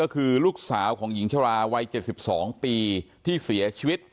ก็คือลูกสาวของหญิงชราวัย๗๒ปีที่เสียชีวิต